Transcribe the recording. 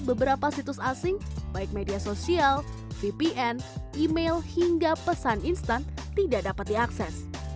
beberapa situs asing baik media sosial vpn email hingga pesan instan tidak dapat diakses